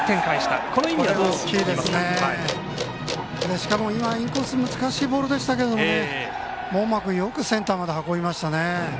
しかも今、インコース難しいボールでしたが門間君はよくセンターまで運びましたね。